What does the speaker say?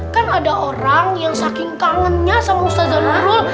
kan ada orang yang saking kangennya sama ustaz zanur